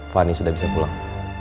fani sudah bisa pulang